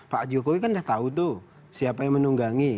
pak jokowi kan udah tahu tuh siapa yang menunggangi